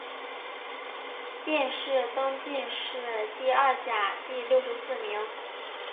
殿试登进士第二甲第六十四名。